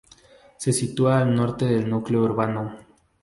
Se sitúa al norte del núcleo urbano.